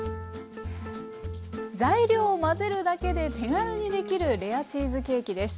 材料を混ぜるだけで手軽にできるレアチーズケーキです。